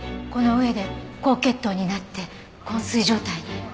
この上で高血糖になって昏睡状態に。